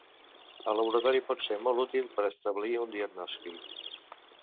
El laboratori pot ser molt útil per establir un diagnòstic.